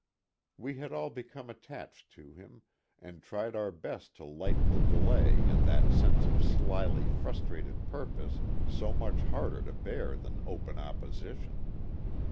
We had all become attached to him and tried our best to lighten the delay and that sense of slyly frustrated purpose, so much harder to bear than open opposition.